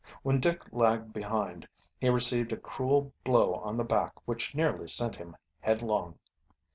When Dick lagged behind he received a cruel blow on the back which nearly sent him headlong.